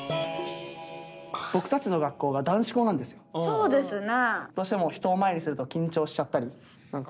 そうですな。